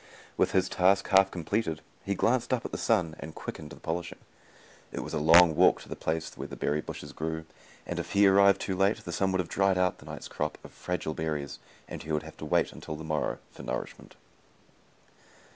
With his task half completed, he glanced up at the sun and quickened the polishing. It was a long walk to the place the berry bushes grew, and if he arrived too late, the sun would have dried out the night's crop of fragile berries and he would wait until the morrow for nourishment.